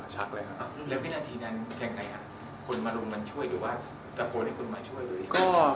แล้วพินาธินั้นแค่ไหนครับคนมารุมมันช่วยหรือว่าตะโกนให้คนมาช่วยเลย